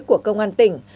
của công an tỉnh